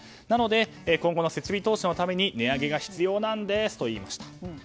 なので、今後の設備投資のために値上げが必要なんですと言いました。